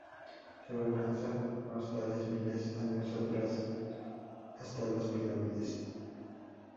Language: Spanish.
Sólo alcanza unos tales mil años atrás hasta las pirámides.